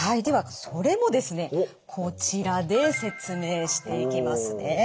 ではそれもですねこちらで説明していきますね。